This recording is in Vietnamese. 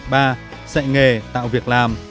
ba dạy nghề tạo việc làm